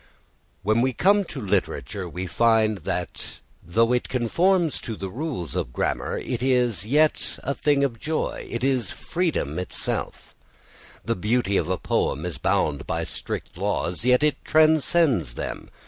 When we come to literature we find that though it conforms to rules of grammar it is yet a thing of joy, it is freedom itself. The beauty of a poem is bound by strict laws, yet it transcends them.